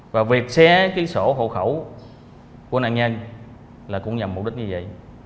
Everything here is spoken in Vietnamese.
và việc xé cái sổ hộ khẩu của nạn nhân là cũng nhằm mục đích như vậy